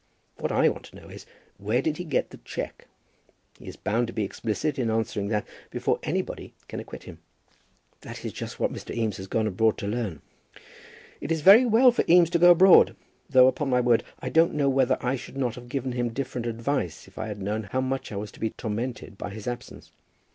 What I want to know is, where did he get the cheque? He is bound to be explicit in answering that before anybody can acquit him." "That is just what Mr. Eames has gone abroad to learn." "It is very well for Eames to go abroad, though, upon my word, I don't know whether I should not have given him different advice if I had known how much I was to be tormented by his absence.